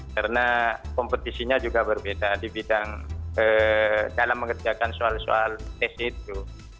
karena kompetisinya juga berbeda di bidang dalam mengerjakan soal soal tes itu